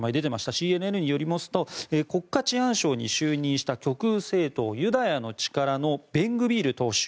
ＣＮＮによりますと国家治安相に就任した極右政党ユダヤの力のベングビール党首。